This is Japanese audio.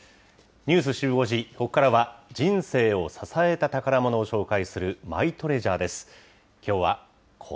ニュースシブ５時、ここからは人生を支えた宝ものを紹介するマイトレジャーです。